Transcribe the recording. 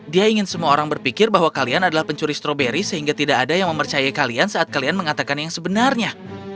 dia ingin semua orang berpikir bahwa kalian adalah pencuri stroberi sehingga tidak ada yang mempercayai kalian saat kalian mengatakan yang sebenarnya